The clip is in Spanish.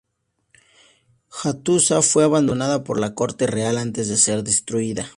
Hattusa fue abandonada por la corte real antes de ser destruida.